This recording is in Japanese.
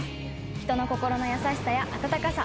人の心の優しさや温かさ